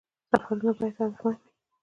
سفرونه باید هدفمند وي